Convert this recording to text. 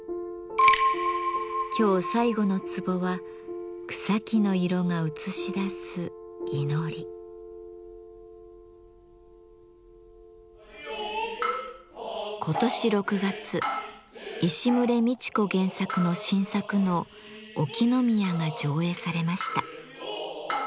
今日最後のツボは今年６月石牟礼道子原作の新作能「沖宮」が上演されました。